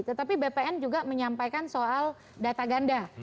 tetapi bpn juga menyampaikan soal data ganda